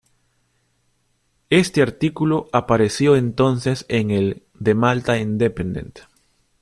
Este artículo apareció entonces en el "The Malta Independent".